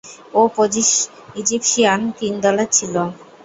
ও Egyptian king দলের ছিল।